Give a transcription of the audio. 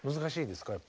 やっぱり。